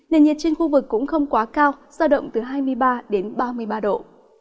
nền nhiệt trên khu vực cũng không quá cao sao động từ hai mươi ba đến ba mươi ba độ